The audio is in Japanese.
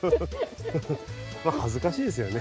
まっ恥ずかしいですよね。